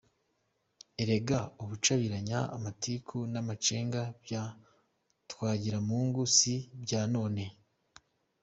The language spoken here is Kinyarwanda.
Erega ubucabiranya, amatiku n’amacenga bya Twagiramungu si ibya none !